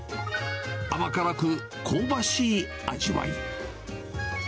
甘辛く香ばしい味わい。